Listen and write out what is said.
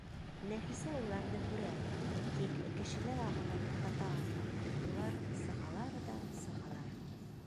Нәфисә уларҙы күрә, тик кешеләр ағымын туҡтата алмай, улар сығалар ҙа сығалар.